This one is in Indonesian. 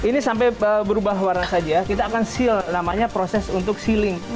ini sampai berubah warna saja kita akan seal namanya proses untuk sealing